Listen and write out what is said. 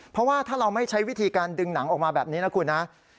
เพราะว่าถ้าเราไม่ใช้วิธีการดึงหนังออกมาแบบนี้นะคุณนะ